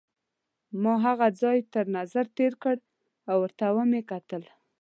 ما هغه ځای تر نظر تېر کړ او ورته مې وکتل.